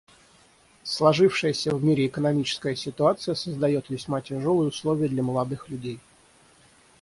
Сложившаяся в мире экономическая ситуация создает весьма тяжелые условия для молодых людей.